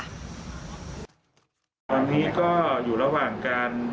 ตอนนี้ก็อยู่ระหว่างการ